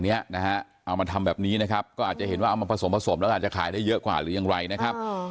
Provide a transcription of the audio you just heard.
เอามาทำแบบนี้นะครับก็อาจจะเห็นว่าเอามาผสมผสมแล้วอาจจะขายได้เยอะกว่าหรือยังไรนะครับ